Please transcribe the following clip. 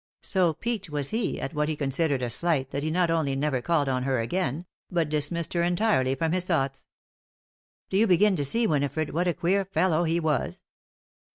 So piqued was he at what he considered a slight that he not only never called on her again, but dismissed her entirely from his thoughts.' Do you begin to see, Winifred, what a queer fellow he was?